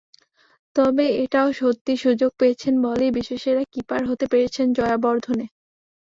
তবে এটাও সত্যি, সুযোগ পেয়েছেন বলেই বিশ্বসেরা কিপার হতে পেরেছেন জয়াবর্ধনে।